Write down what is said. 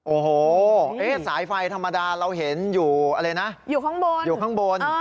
โอ้โหสายไฟธรรมดาเราเห็นอยู่อะไรนะอยู่ข้างบนอยู่ข้างบน